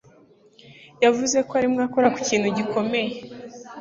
yavuze ko arimo akora ku kintu gikomeye.